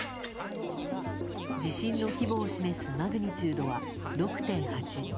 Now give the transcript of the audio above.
地震の規模を示すマグニチュードは６．８。